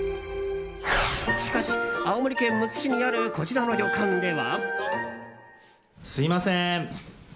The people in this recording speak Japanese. しかし、青森県むつ市にあるこちらの旅館では。